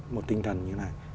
một tinh thần như thế này